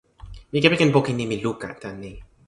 mi kepeken poki nimi luka tan ni.